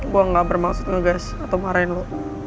gua nggak bermaksud ngegas atau marahin lu